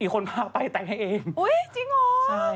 อีกคนพาไปแต่งให้เอง